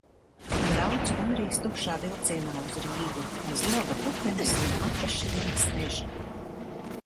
Braucu gandrīz tukšā vilcienā uz Rīgu. Aiz loga putenis un Atašienes meži.